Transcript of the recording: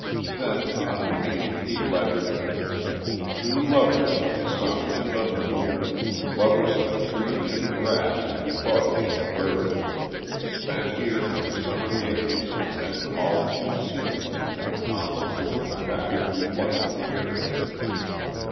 Then underneath he lettered: _Two lovers of the Sun and of the Moon, Lovers of Tree and Grass and Bug and Bird, Spent here the Summer days, then all too soon Upon the homeward track reluctant fared.